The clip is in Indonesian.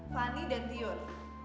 fani dan tion